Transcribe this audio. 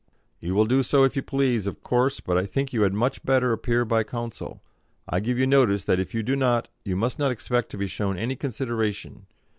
"You will do so if you please, of course, but I think you had much better appear by counsel. I give you notice that, if you do not, you must not expect to be shown any consideration.